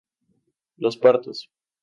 Los partos.